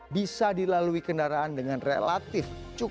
bisa dilalui kendaraan dengan relatif